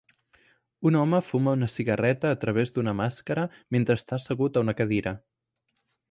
Un home fuma una cigarreta a través d'una màscara mentre està assegut a una cadira.